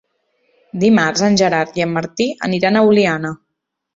Dimarts en Gerard i en Martí aniran a Oliana.